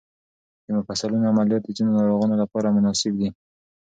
د مفصلونو عملیات د ځینو ناروغانو لپاره مناسب دي.